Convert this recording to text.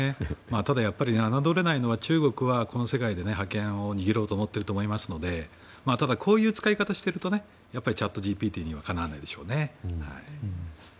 ただ、やっぱりあなどれないのは中国はこの世界で覇権を握ろうと思っていると思いますのでただこういう使い方をしているとチャットＧＰＴにはかなわないでしょうね。